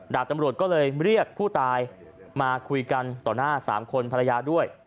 ดาบตำรวจก็เลยเรียกผู้ตายมาคุยกันต่อหน้า๓คนภรรยาด้วย